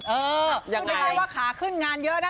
เอออย่างไรคือไม่ใช่ว่าขาขึ้นงานเยอะนะ